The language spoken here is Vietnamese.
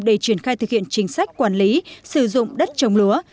để triển khai thực hiện chính sách quản lý sử dụng đất trồng lúa